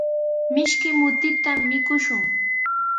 Mishki mutita mikushun.